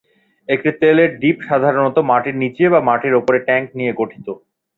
একটি তেলের ডিপ সাধারণত মাটির নিচের বা মাটির উপরে ট্যাংক নিয়ে গঠিত।